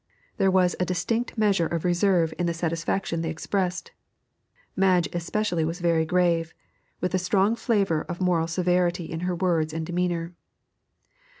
There was a distinct measure of reserve in the satisfaction they expressed. Madge especially was very grave, with a strong flavour of moral severity in her words and demeanour.